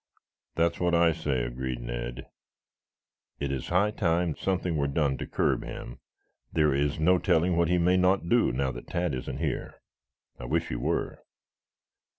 "That's what I say," agreed Ned. "It is high time something were done to curb him. There is no telling what he may not do now that Tad isn't here. I wish he were."